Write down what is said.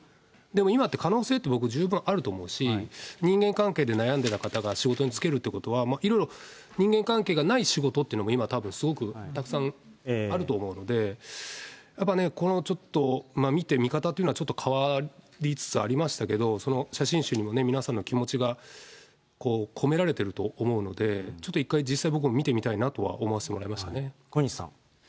でも今って可能性って、僕十分あると思うし、人間関係で悩んでた方が仕事に就けるってことは、いろいろ人間関係がない仕事っていうのも、今たぶんすごくたくさんあると思うので、やっぱね、見て見方というのはちょっと変わりつつありましたけど、写真集には皆さんの気持ちが込められていると思うので、ちょっと一回、僕も実際、見てみたいなとは思わせてもらいましたね。